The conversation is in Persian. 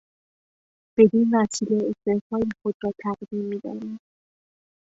بدینوسیله استعفای خود را تقدیم میدارم.